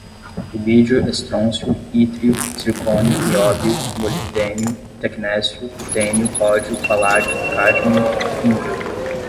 rubídio, estrôncio, ítrio, zircônio, nióbio, molibdênio, tecnécio, rutênio, ródio, paládio, cádmio, índio